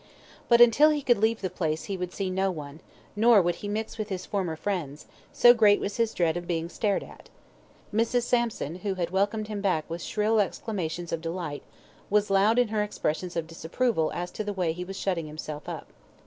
But until he could leave the place he would see no one, nor would he mix with his former friends, so great was his dread of being stared at. Mrs. Sampson, who had welcomed him back with shrill exclamations of delight, was loud in her expressions of disapproval as to the way he was shutting himself up.